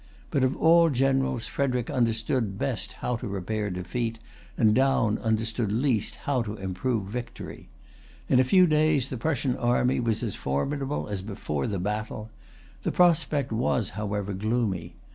But of all generals Frederic understood best how to repair defeat, and Daun understood least how to improve victory. In a few days the Prussian army was as formidable as before the battle. The prospect was, however, gloomy.